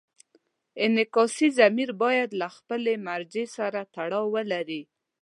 انعکاسي ضمیر باید له خپلې مرجع سره تړاو ولري.